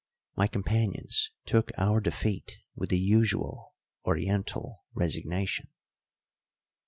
My companions took our defeat with the usual Oriental resignation.